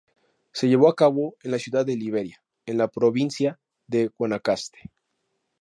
Se llevó a cabo en la ciudad de Liberia, en la provincia de Guanacaste.